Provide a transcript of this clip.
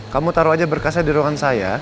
kamu taruh aja berkasnya di ruangan saya